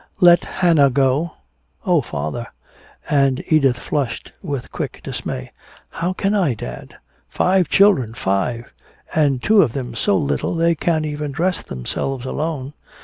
"Let Hannah go? Oh, father!" And Edith flushed with quick dismay. "How can I, dad? Five children five! And two of them so little they can't even dress themselves alone!